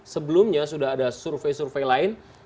sebelumnya sudah ada survei survei lain